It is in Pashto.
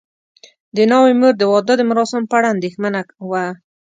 د ناوې مور د واده د مراسمو په اړه اندېښمنه وه.